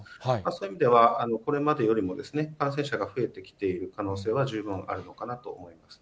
そういう意味ではこれまでよりも感染者が増えてきている可能性は十分あるのかなと思います。